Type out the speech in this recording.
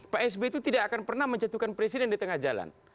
pak sby itu tidak akan pernah menjatuhkan presiden di tengah jalan